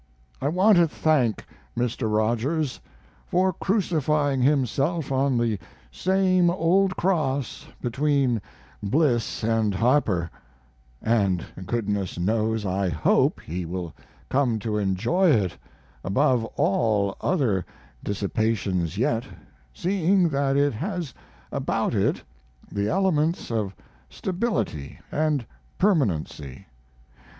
I want to thank Mr. Rogers for crucifying himself on the same old cross between Bliss & Harper; & goodness knows I hope he will come to enjoy it above all other dissipations yet, seeing that it has about it the elements of stability & permanency.